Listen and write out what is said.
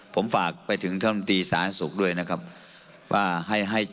ผมฝากไปถึงชนฤหมูลตีสาหกสุฯด้วยนะครับว่าให้ให้